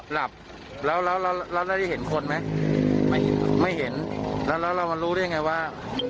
หลับแล้วเราได้เห็นคนไหมไม่เห็นแล้วเรามารู้ได้ยังไงว่า